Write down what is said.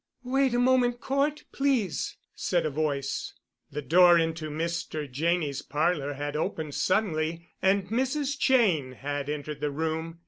"Wait a moment, Cort, please," said a voice. The door into Mr. Janney's parlor had opened suddenly, and Mrs. Cheyne had entered the room.